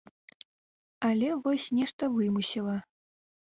Але вось нешта вымусіла.